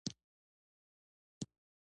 د هوا فشار په دې تجربه کې یو اټموسفیر وي.